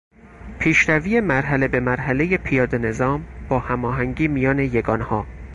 پیشروی مرحله به مرحلهی پیاده نظام با هماهنگی میان یگانها